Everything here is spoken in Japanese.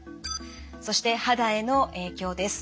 そして肌への影響です。